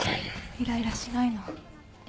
イライラしないの。